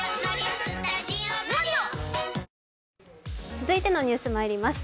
続いてのニュースまいります。